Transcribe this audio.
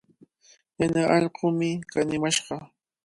Yana allqumi kanimashqa.